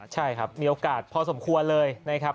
ใช่ครับมีโอกาสพอสมควรเลยนะครับ